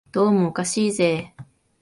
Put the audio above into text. どうもおかしいぜ